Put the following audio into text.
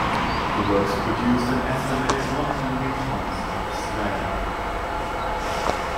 The works produced an estimated one million tons of slag.